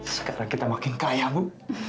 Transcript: sekarang kita makin kaya bu